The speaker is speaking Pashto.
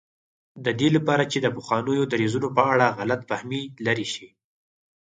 د دې لپاره چې د پخوانیو دریځونو په اړه غلط فهمي لرې شي.